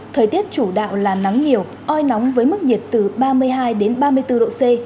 thời tiết chủ đạo là nắng nhiều oi nóng với mức nhiệt từ ba mươi hai đến ba mươi bốn độ c